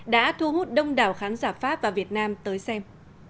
đã thu hút đông đảo khán giả pháp và việt nam tới xem